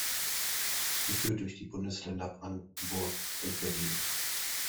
Sie führt durch die Bundesländer Brandenburg und Berlin.